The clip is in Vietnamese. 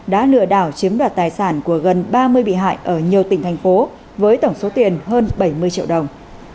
đã lừa đảo chiếm đoạt tài sản của gần ba mươi bị hại ở nhiều tỉnh thành phố với tổng số tiền hơn bảy mươi triệu đồng